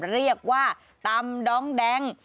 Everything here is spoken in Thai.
เรียกว่าตำดองแดง